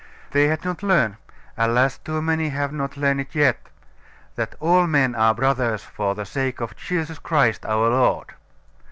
They had not learnt alas! too many have not learned it yet that all men are brothers for the sake of Jesus Christ our Lord.